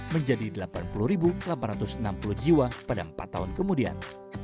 menjadi delapan puluh delapan ratus enam puluh jiwa pada empat tahun kemudian